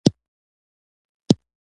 د ماشوم زنګون په لوبو کې خوږ شوی و.